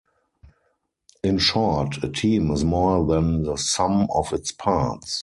In short, a team is more than the sum of its parts.